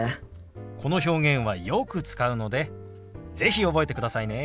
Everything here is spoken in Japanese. この表現はよく使うので是非覚えてくださいね。